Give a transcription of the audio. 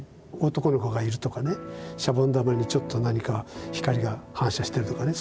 男の子がいるとかねシャボン玉にちょっと何か光が反射してるとかね